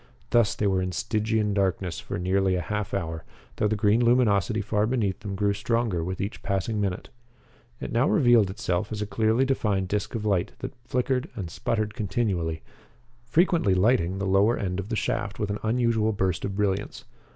Thus they were in Stygian darkness for nearly a half hour, though the green luminosity far beneath them grew stronger with each passing minute. It now revealed itself as a clearly defined disc of light that flickered and sputtered continually, frequently lighting the lower end of the shaft with an unusual burst of brilliance.